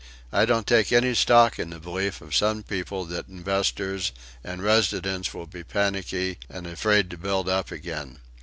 I don't take any stock in the belief of some people that investors and residents will be panicky and afraid to build up again.